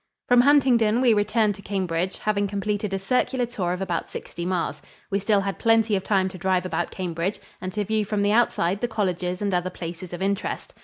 From Huntingdon we returned to Cambridge, having completed a circular tour of about sixty miles. We still had plenty of time to drive about Cambridge and to view from the outside the colleges and other places of interest.